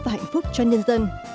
và hành phúc cho nhân dân